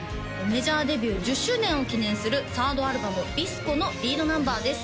メジャーデビュー１０周年を記念する３ｒｄアルバム「ＶＩＳＣＯ」のリードナンバーです